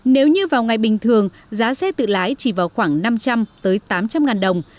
nếu như vào ngày bình thường giá xe tự lái chỉ vào khoảng năm trăm linh tám trăm linh ngàn đồng